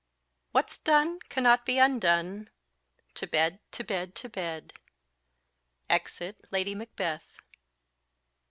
"What's done, cannot be undone; to bed, to bed, to bed!" _Exit Lady Macbeth.